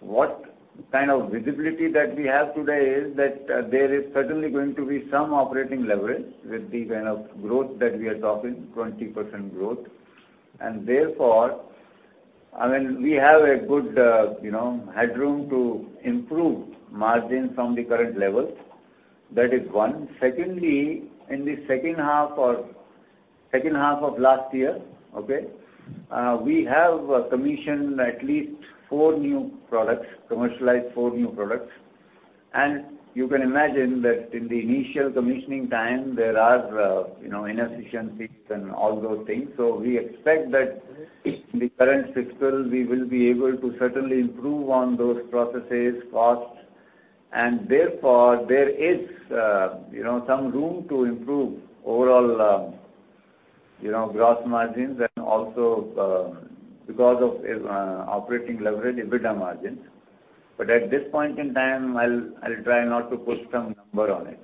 What kind of visibility that we have today is that there is certainly going to be some operating leverage with the kind of growth that we are talking, 20% growth. Therefore, I mean, we have a good, you know, headroom to improve margins from the current levels. That is one. Secondly, in the second half of last year, we have commissioned at least four new products, commercialized four new products. You can imagine that in the initial commissioning time there are, you know, inefficiencies and all those things. We expect that in the current fiscal we will be able to certainly improve on those processes, costs, and therefore there is, you know, some room to improve overall, you know, gross margins and also, because of, operating leverage, EBITDA margins. At this point in time, I'll try not to put some number on it.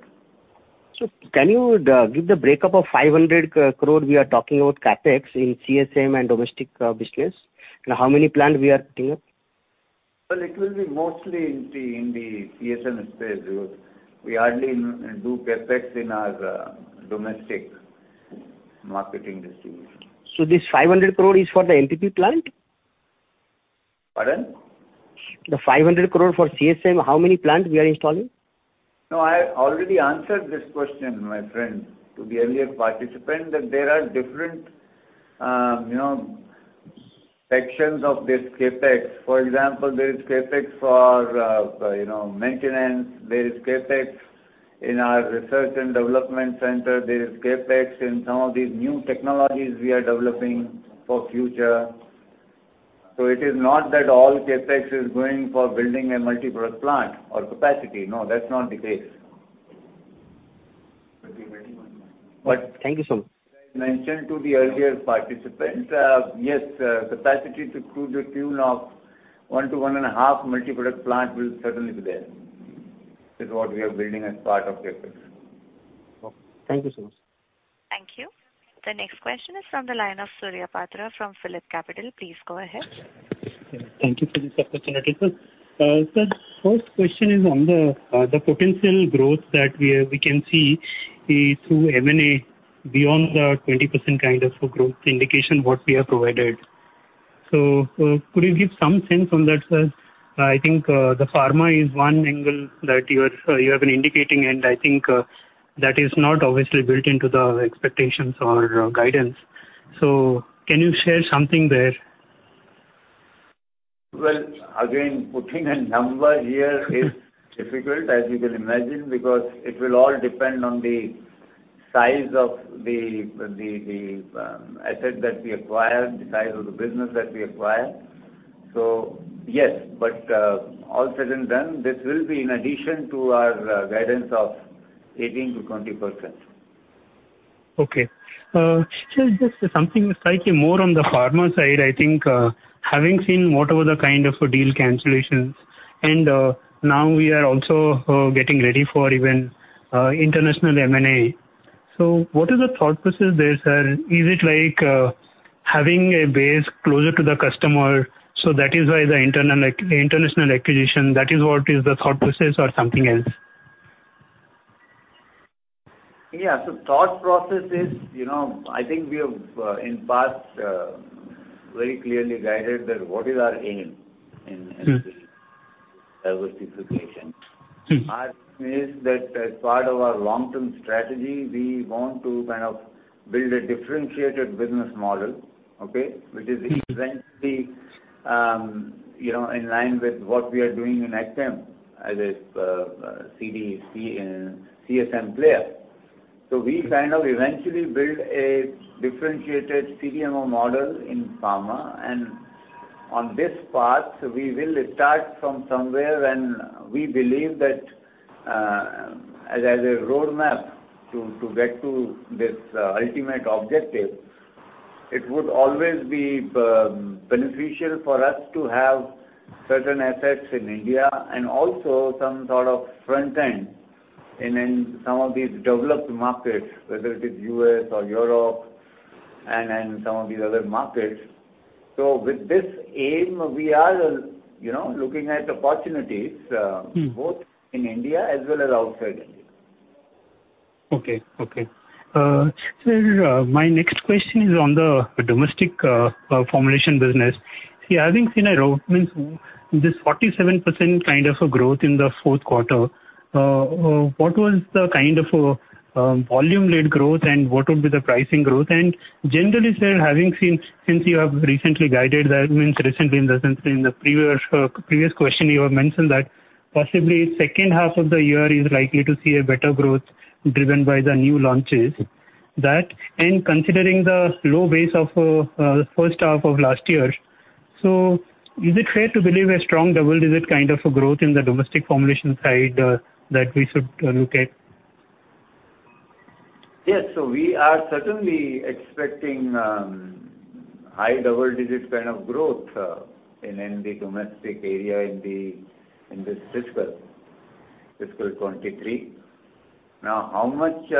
Can you give the breakup of 500 crore we are talking about CapEx in CSM and Domestic Business? How many plant we are putting up? Well, it will be mostly in the CSM space because we hardly do CapEx in our domestic marketing distribution. This 500 crore is for the MPP plant? Pardon? The 500 crore for CSM, how many plants we are installing? No, I already answered this question, my friend, to the earlier participant, that there are different, you know, sections of this CapEx. For example, there is CapEx for, you know, maintenance. There is CapEx in our research and development center. There is CapEx in some of these new technologies we are developing for future. It is not that all CapEx is going for building a multiproduct plant or capacity. No, that's not the case. We are waiting on that. Thank you, sir. As I mentioned to the earlier participant, yes, capacity to the tune of one to 1.5 multi-purpose plant will certainly be there. This is what we are building as part of CapEx. Okay. Thank you so much. Thank you. The next question is from the line of Surya Patra from PhillipCapital. Please go ahead. Thank you for this opportunity, sir. Sir, first question is on the potential growth that we can see is through M&A beyond the 20% kind of growth indication what we have provided. Could you give some sense on that, sir? I think the pharma is one angle that you have been indicating, and I think that is not obviously built into the expectations or guidance. Can you share something there? Well, again, putting a number here is difficult, as you can imagine, because it will all depend on the size of the asset that we acquire, the size of the business that we acquire. Yes, but all said and done, this will be in addition to our guidance of 18%-20%. Okay. Still just something slightly more on the pharma side. I think, having seen whatever the kind of deal cancellations, and now we are also getting ready for even international M&A. What is the thought process there, sir? Is it like, having a base closer to the customer, so that is why the international acquisition, that is what is the thought process or something else? Yeah. Thought process is, you know, I think we have, in past, very clearly guided that what is our aim in this diversification. Our aim is that as part of our long-term strategy, we want to kind of build a differentiated business model, okay? Which is essentially, you know, in line with what we are doing in AgChem, as a CDMO CSM player. We kind of eventually build a differentiated CDMO model in pharma. On this path, we will start from somewhere and we believe that, as a roadmap to get to this ultimate objective, it would always be beneficial for us to have certain assets in India and also some sort of front end in some of these developed markets, whether it is U.S. or Europe and some of these other markets. With this aim, we are, you know, looking at opportunities both in India as well as outside India. Okay. Sir, my next question is on the domestic formulation business. See, having seen 47% kind of a growth in the fourth quarter, what was the kind of volume led growth and what would be the pricing growth? Generally, sir, having seen, since you have recently guided that, recently in the sense in the previous question you have mentioned that possibly second half of the year is likely to see a better growth driven by the new launches. That, and considering the low base of first half of last year. Is it fair to believe a strong double-digit kind of a growth in the domestic formulation side that we should look at? Yes. We are certainly expecting high double-digit kind of growth in the domestic area in this fiscal 2023. Now, how much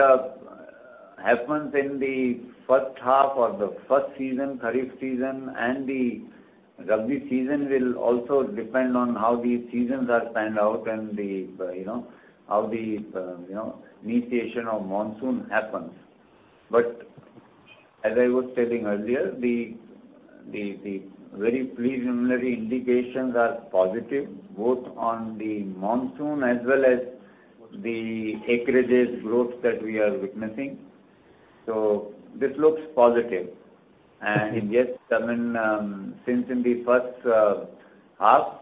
happens in the first half or the first season, kharif season and the rabi season will also depend on how these seasons are panned out and, you know, how the initiation of monsoon happens. As I was telling earlier, the very preliminary indications are positive, both on the monsoon as well as the acreage growth that we are witnessing. This looks positive. Yes, I mean, since in the first half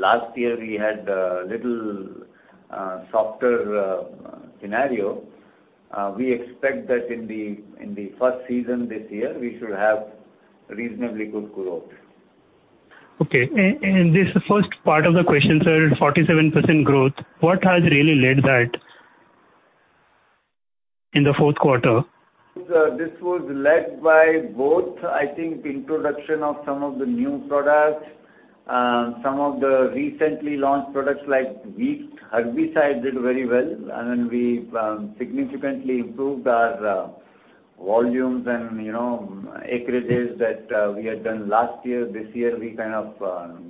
last year we had a little softer scenario, we expect that in the first season this year we should have reasonably good growth. Okay. This first part of the question, sir, 47% growth, what has really led that in the fourth quarter? This was led by both, I think, introduction of some of the new products, some of the recently launched products like wheat herbicides did very well. I mean, we significantly improved our volumes and, you know, acreages that we had done last year. This year we kind of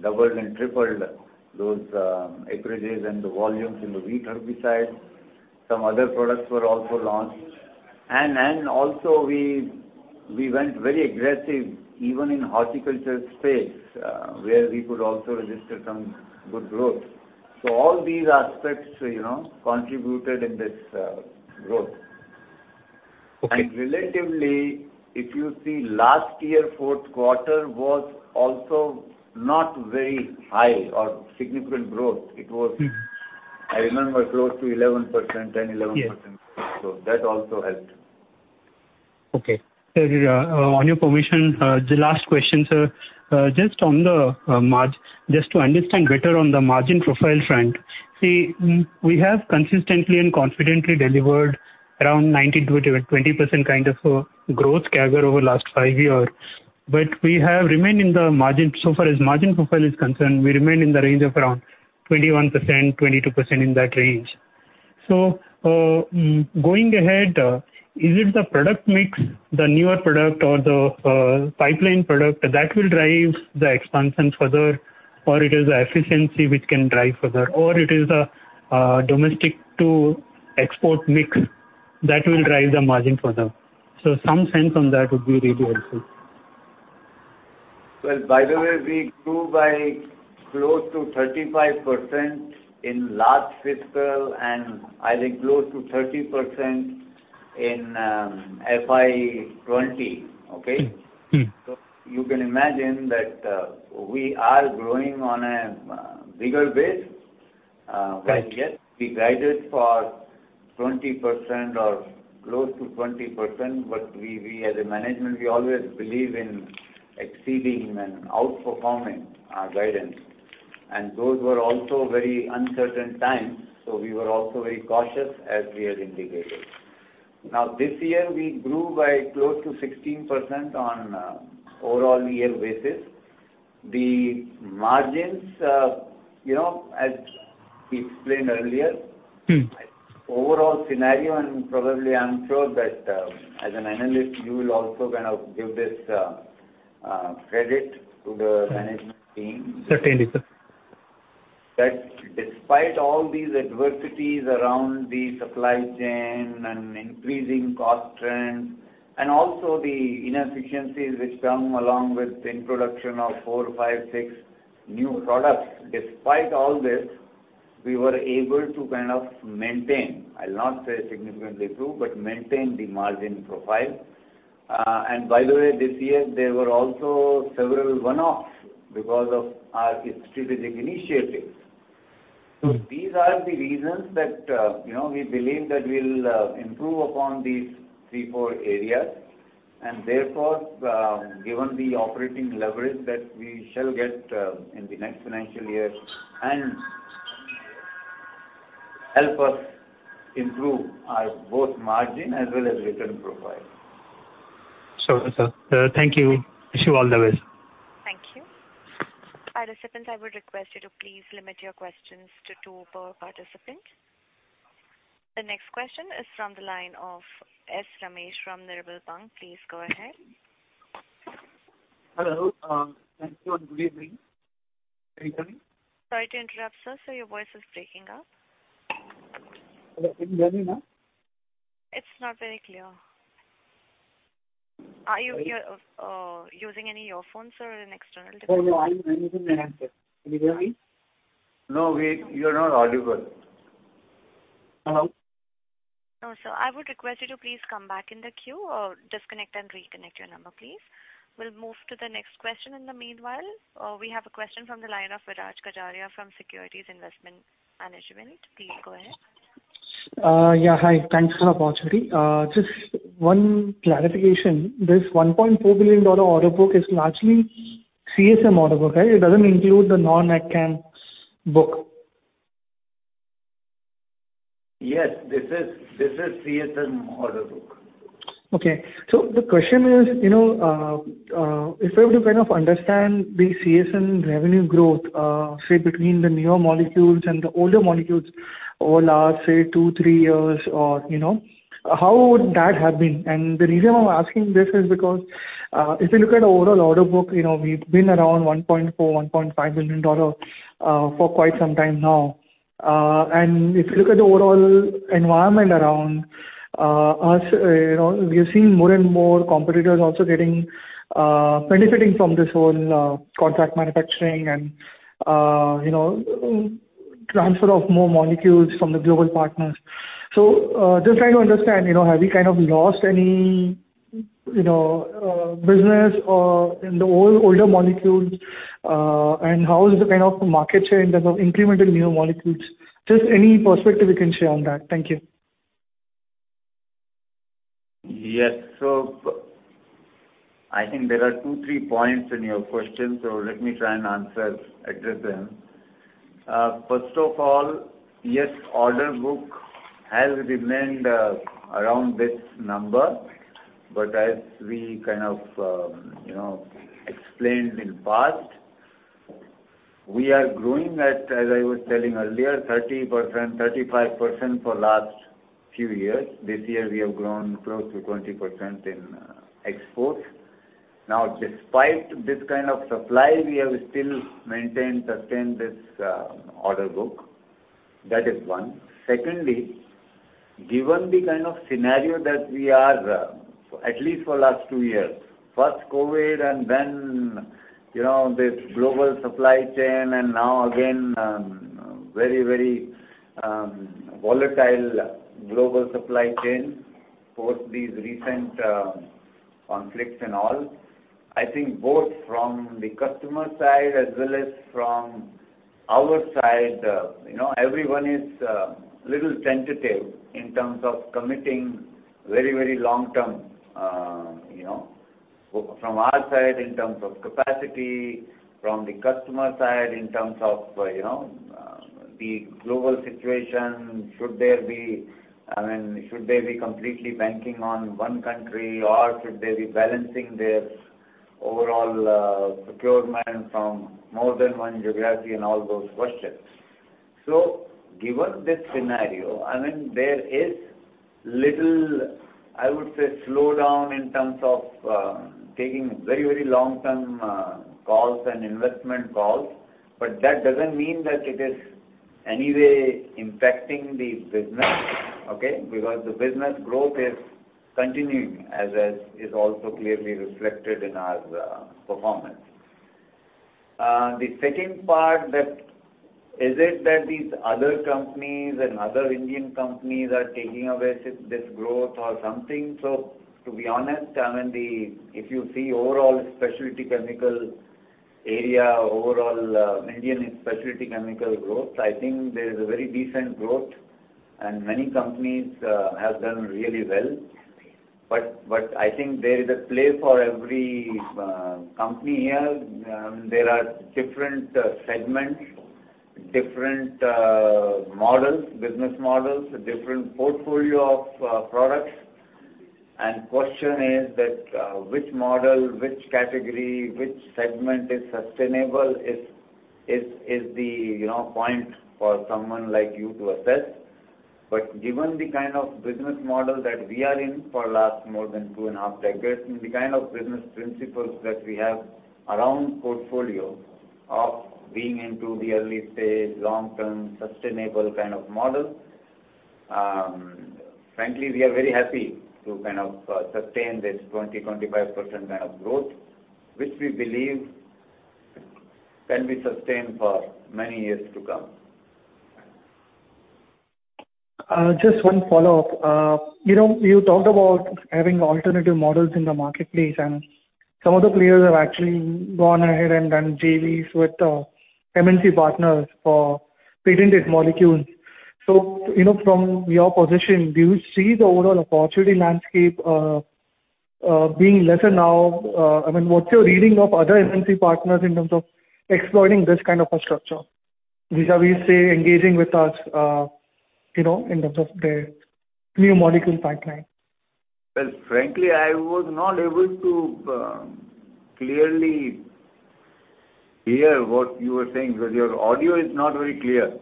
doubled and tripled those acreages and the volumes in the wheat herbicides. Some other products were also launched. also we went very aggressive even in horticulture space, where we could also register some good growth. all these aspects, you know, contributed in this growth. Okay. Relatively, if you see last year fourth quarter was also not very high or significant growth. It was, I remember close to 11%, 10, 11%. Yes. That also helped. Okay. Sir, on your permission, the last question, sir. Just on the margin, just to understand better on the margin profile front. See, we have consistently and confidently delivered around 19%-20% kind of a growth CAGR over last five years. We have remained in the margin, so far as margin profile is concerned, we remain in the range of around 21%, 22% in that range. Going ahead, is it the product mix, the newer product or the pipeline product that will drive the expansion further, or it is the efficiency which can drive further, or it is the domestic to export mix? That will drive the margin for them. Some sense on that would be really helpful. Well, by the way, we grew by close to 35% in last fiscal and I think close to 30% in FY 2020. Okay. You can imagine that we are growing on a bigger base. Got it. When, yes, we guided for 20% or close to 20%, but we as a management always believe in exceeding and outperforming our guidance. Those were also very uncertain times, so we were also very cautious as we had indicated. Now, this year, we grew by close to 16% on overall year basis. The margins, you know, as we explained earlier. Overall scenario, and probably I'm sure that as an analyst, you will also kind of give this credit to the management team. Certainly, sir. That despite all these adversities around the supply chain and increasing cost trends, and also the inefficiencies which come along with the introduction of four, five, six new products, despite all this, we were able to kind of maintain, I'll not say significantly grew, but maintain the margin profile. By the way, this year there were also several one-offs because of our strategic initiatives. Mm-hmm. These are the reasons that, you know, we believe that we'll improve upon these three, four areas, and therefore, given the operating leverage that we shall get in the next financial year and help us improve our both margin as well as return profile. Sure, sir. Thank you. Wish you all the best. Thank you. Participants, I would request you to please limit your questions to two per participant. The next question is from the line of S. Ramesh from Nirmal Bang. Please go ahead. Hello. Thank you and good evening. Can you hear me? Sorry to interrupt, sir. Sir, your voice is breaking up. Hello. Can you hear me now? It's not very clear. Are you using any earphones or an external device? No, no, I'm using a handset. Can you hear me? You're not audible. Hello? No. Sir, I would request you to please come back in the queue or disconnect and reconnect your number, please. We'll move to the next question in the meanwhile. We have a question from the line of Viraj Kacharia from Securities Investment Management. Please go ahead. Yeah, hi. Thanks for the opportunity. Just one clarification. This $1.4 billion order book is largely CSM order book, right? It doesn't include the non-AgChem book? Yes. This is CSM order book. Okay. The question is, you know, if we have to kind of understand the CSM revenue growth, say between the newer molecules and the older molecules over last, say, two, three years or, you know, how would that have been? The reason I'm asking this is because, if you look at the overall order book, you know, we've been around $1.4 billion-$1.5 billion for quite some time now. If you look at the overall environment around us, you know, we are seeing more and more competitors also getting benefiting from this whole contract manufacturing and, you know, transfer of more molecules from the global partners. Just trying to understand, you know, have you kind of lost any, you know, business or in the old, older molecules, and how is the kind of market share in terms of incremental newer molecules? Just any perspective you can share on that. Thank you. Yes. I think there are two, three points in your question, so let me try and answer, address them. First of all, yes, order book has remained around this number, but as we kind of, you know, explained in the past, we are growing at, as I was telling earlier, 30%, 35% for last few years. This year we have grown close to 20% in exports. Now, despite this kind of supply, we have still maintained, sustained this order book. That is one. Secondly, given the kind of scenario that we are, at least for last two years, first COVID and then, you know, this global supply chain and now again, very volatile global supply chain for these recent conflicts and all. I think both from the customer side as well as from our side, you know, everyone is little tentative in terms of committing very, very long-term, you know. From our side in terms of capacity, from the customer side in terms of, you know, the global situation, should there be, I mean, should they be completely banking on one country, or should they be balancing their overall procurement from more than one geography and all those questions. Given this scenario, I mean, there is little, I would say, slow down in terms of taking very, very long-term calls and investment calls, but that doesn't mean that it is in any way impacting the business, okay. The business growth is continuing as is also clearly reflected in our performance. The second part that these other companies and other Indian companies are taking away this growth or something. To be honest, I mean, if you see overall specialty chemical area, overall Indian specialty chemical growth, I think there is a very decent growth and many companies have done really well. I think there is a place for every company here. There are different segments, different models, business models, different portfolio of products. Question is that which model, which category, which segment is sustainable, you know, the point for someone like you to assess. Given the kind of business model that we are in for last more than two and a half decades, the kind of business principles that we have around portfolio of being into the early stage, long-term sustainable kind of model, frankly, we are very happy to kind of sustain this 20-25% kind of growth, which we believe can be sustained for many years to come. Just one follow-up. You know, you talked about having alternative models in the marketplace, and some of the players have actually gone ahead and done JVs with MNC partners for patented molecules. You know, from your position, do you see the overall opportunity landscape being lesser now? I mean, what's your reading of other MNC partners in terms of exploiting this kind of a structure vis-à-vis, say, engaging with us, you know, in terms of their new molecule pipeline? Well, frankly, I was not able to clearly hear what you were saying. Your audio is not very clear.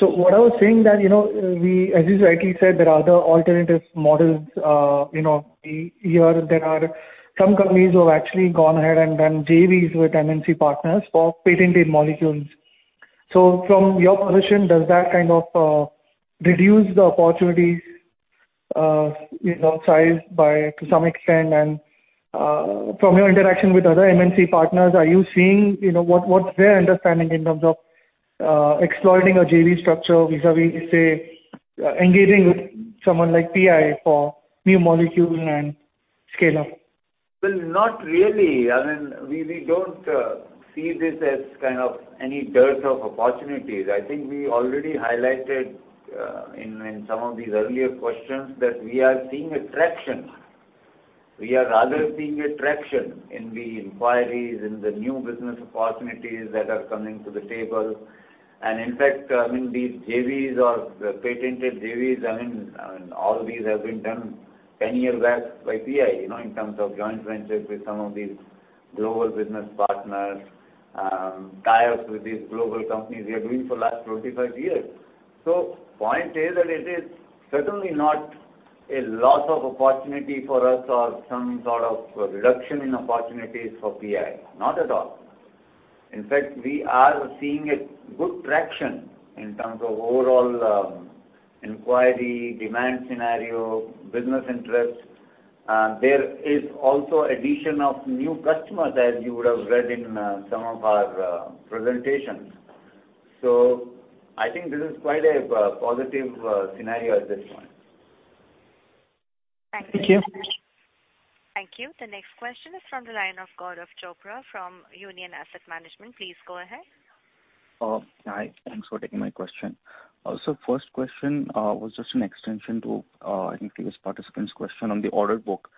What I was saying that, you know, we, as you rightly said, there are other alternative models, you know, here there are some companies who have actually gone ahead and done JVs with MNC partners for patented molecules. From your position, does that kind of reduce the opportunities size by two to some extent? From your interaction with other MNC partners, are you seeing, you know, what's their understanding in terms of exploiting a JV structure vis-à-vis, say, engaging with someone like PI for new molecule and scale-up? Well, not really. I mean, we don't see this as kind of any dearth of opportunities. I think we already highlighted in some of these earlier questions that we are seeing a traction. We are rather seeing a traction in the inquiries, in the new business opportunities that are coming to the table. In fact, I mean, these JVs or patented JVs, I mean, all these have been done 10 years back by PI, you know, in terms of joint ventures with some of these global business partners, tie-ups with these global companies we are doing for last 25 years. Point is that it is certainly not a loss of opportunity for us or some sort of reduction in opportunities for PI. Not at all. In fact, we are seeing a good traction in terms of overall, inquiry, demand scenario, business interest. There is also addition of new customers, as you would have read in some of our presentations. I think this is quite a positive scenario at this point. Thank you. Thank you. Thank you. The next question is from the line of Gaurav Chopra from Union Asset Management. Please go ahead. Oh, hi. Thanks for taking my question. First question was just an extension to, I think this participant's question on the order book.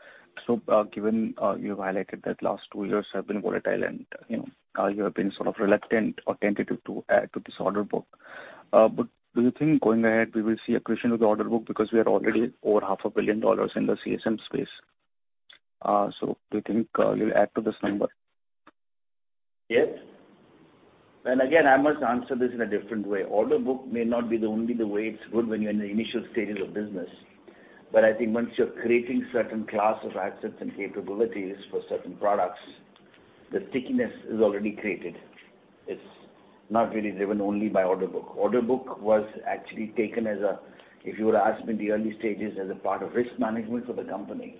Given you highlighted that last two years have been volatile and, you know, you have been sort of reluctant or tentative to add to this order book. Do you think going ahead we will see accretion of the order book because we are already over half a billion dollars in the CSM space? Do you think you'll add to this number? Yes. Again, I must answer this in a different way. Order book may not be the only way it's good when you're in the initial stages of business. I think once you're creating certain class of assets and capabilities for certain products, the stickiness is already created. It's not really driven only by order book. Order book was actually taken as a, if you were to ask me in the early stages, as a part of risk management for the company,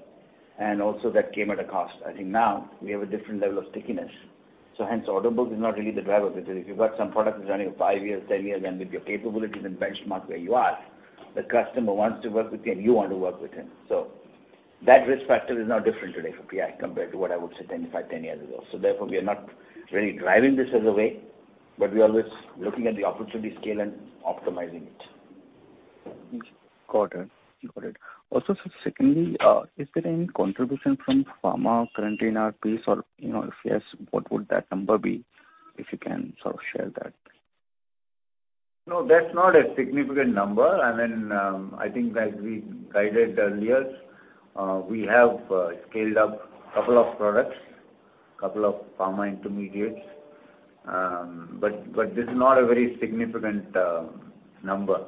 and also that came at a cost. I think now we have a different level of stickiness. Hence order book is not really the driver. Because if you've got some product that's running for five years, 10 years, and with your capabilities and benchmark where you are, the customer wants to work with you and you want to work with him. That risk factor is now different today for PI compared to what I would say 10, five, 10 years ago. Therefore, we are not really driving this as a way, but we're always looking at the opportunity scale and optimizing it. Got it. Also, sir, secondly, is there any contribution from pharma currently in our piece or, you know, if yes, what would that number be? If you can sort of share that. No, that's not a significant number. I mean, I think that we guided earlier. We have scaled up couple of products, couple of pharma intermediates. This is not a very significant number.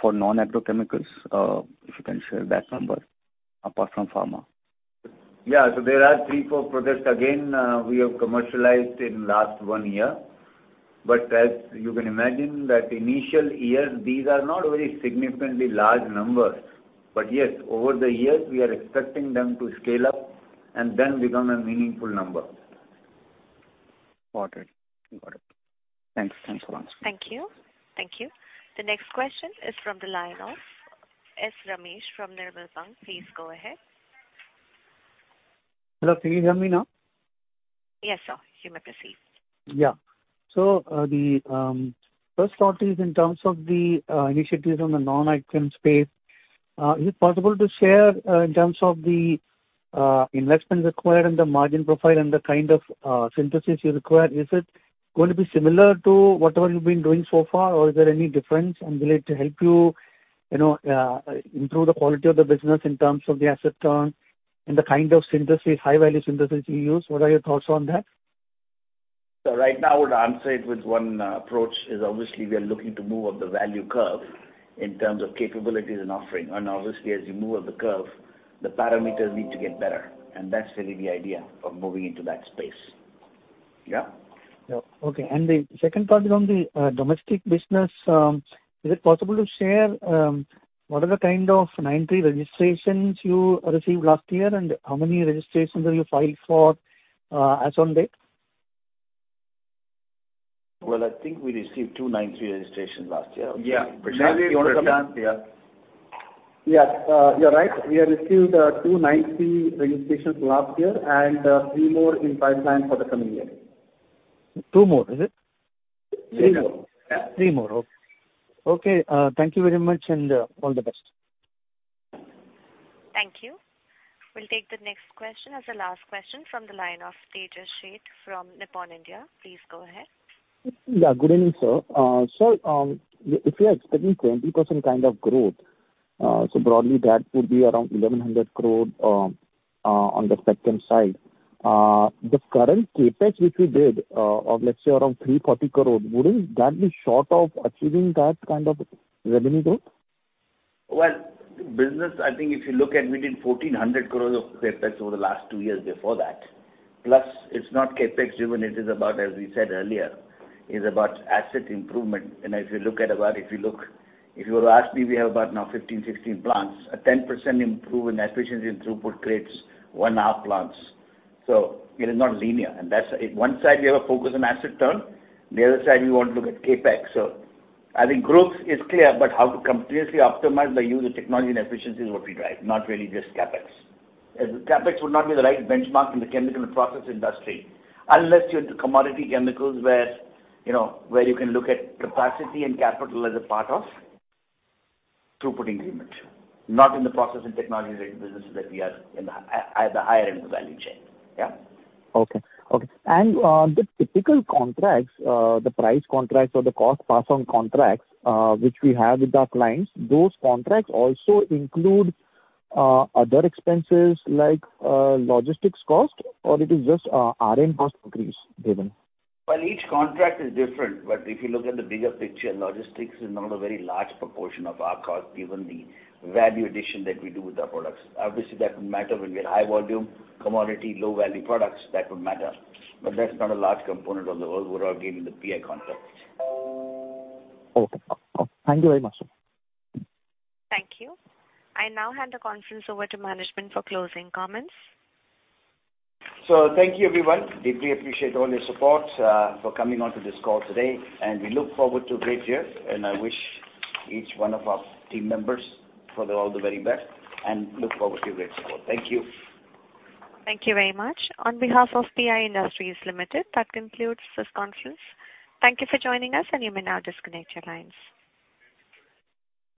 For non-agrochemicals, if you can share that number apart from pharma. There are three, four products again, we have commercialized in last one year. As you can imagine that initial years, these are not very significantly large numbers. Yes, over the years we are expecting them to scale up and then become a meaningful number. Got it. Thanks for answering. Thank you. Thank you. The next question is from the line of S. Ramesh from Nirmal Bang. Please go ahead. Hello, can you hear me now? Yes, sir, you may proceed. Yeah. The first thought is in terms of the initiatives on the non-AgChem space, is it possible to share in terms of the investments required and the margin profile and the kind of synthesis you require? Is it going to be similar to whatever you've been doing so far, or is there any difference? Will it help you know, improve the quality of the business in terms of the asset turn and the kind of synthesis, high value synthesis you use? What are your thoughts on that? Right now I would answer it with one approach is obviously we are looking to move up the value curve in terms of capabilities and offering. Obviously as you move up the curve, the parameters need to get better. That's really the idea of moving into that space. Yeah. Yeah. Okay. The second part is on the domestic business. Is it possible to share what are the kind of 90 registrations you received last year and how many registrations have you filed for as on date? Well, I think we received 290 registrations last year. Prashant, yeah. Yes. You're right. We have received 290 registrations last year and three more in pipeline for the coming year. Two more, is it? Three more. Yeah. Three more. Okay. Thank you very much, and all the best. Thank you. We'll take the next question as the last question from the line of Tejas Sheth from Nippon India. Please go ahead. Yeah, good evening, sir. Sir, if you are expecting 20% kind of growth, broadly that would be around 1,100 crore on the CSM side. The current CapEx which you did of let's say around 340 crore, wouldn't that be short of achieving that kind of revenue growth? Well, business. I think if you look at, we did 1,400 crores of CapEx over the last two years before that. It's not CapEx driven. It is about, as we said earlier, asset improvement. If you were to ask me, we have about now 15, 16 plants. A 10% improvement efficiency in throughput creates 1.5 plants. It is not linear. That's, one side we have a focus on asset turn, the other side we want to look at CapEx. I think growth is clear, but how to continuously optimize the use of technology and efficiency is what we drive, not really just CapEx. CapEx would not be the right benchmark in the chemical and process industry, unless you're into commodity chemicals where, you know, where you can look at capacity and capital as a part of throughput agreement, not in the process and technology related businesses that we are at the higher end of the value chain. Yeah. The typical contracts, the price contracts or the cost pass on contracts, which we have with our clients, those contracts also include other expenses like logistics cost, or is it just RM cost increase given? Well, each contract is different, but if you look at the bigger picture, logistics is not a very large proportion of our cost given the value addition that we do with our products. Obviously that would matter when we have high volume commodity, low value products, but that's not a large component of the overall given the PI contracts. Okay. Thank you very much, sir. Thank you. I now hand the conference over to management for closing comments. Thank you everyone. Deeply appreciate all your support for coming on to this call today. We look forward to a great year, and I wish each one of our team members for all the very best and look forward to your great support. Thank you. Thank you very much. On behalf of PI Industries Limited, that concludes this conference. Thank you for joining us, and you may now disconnect your lines.